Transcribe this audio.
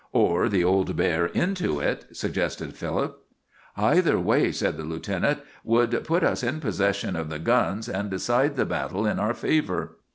"Or the old bear into it," suggested Philip. "Either way," said the lieutenant, "would put us in possession of the guns, and decide the battle in our favor."